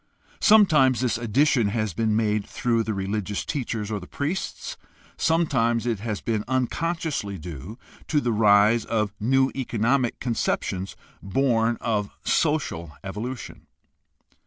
Sometimes this addition has been made through the religious teachers or the priests; sometimes it has been unconsciously due to the rise of new economic conceptions born of social evolution.